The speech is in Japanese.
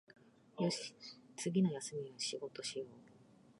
よし、次の休みは仕事しよう